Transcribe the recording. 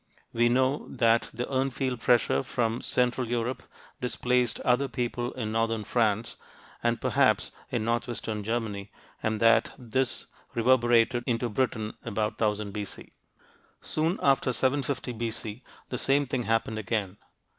We know that the Urnfield pressure from central Europe displaced other people in northern France, and perhaps in northwestern Germany, and that this reverberated into Britain about 1000 B.C. Soon after 750 B.C., the same thing happened again.